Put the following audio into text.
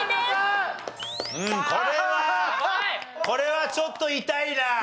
これはちょっと痛いな。